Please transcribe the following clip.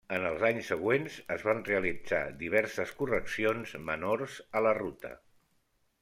En els anys següents es van realitzar diverses correccions menors a la ruta.